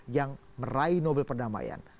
yang meraih nobel perdamaian